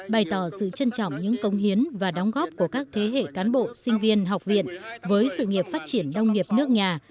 bày tỏ sự trân trọng những công hiến và đóng góp của các thế hệ cán bộ sinh viên học viện với sự nghiệp phát triển nông nghiệp nước nhà